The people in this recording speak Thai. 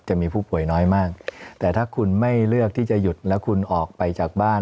จะมีผู้ป่วยน้อยมากแต่ถ้าคุณไม่เลือกที่จะหยุดแล้วคุณออกไปจากบ้าน